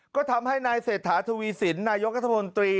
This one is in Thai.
ก็ทำให้นายเศรษฐาทวีสินนายกรัฐมนตรี